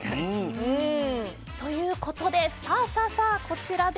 うん。ということでさあさあさあこちらです。